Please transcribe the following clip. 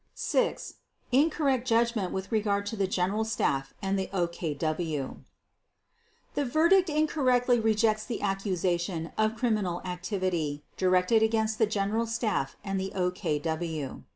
VI. Incorrect Judgment with regard to the General Staff and the OKW The verdict incorrectly rejects the accusation of criminal activity directed against the General Staff and the OKW.